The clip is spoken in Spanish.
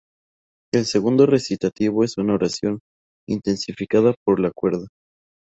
El segundo recitativo es una oración, intensificada por la cuerda.